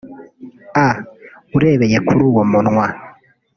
A) Urebeye kuri uwo munwa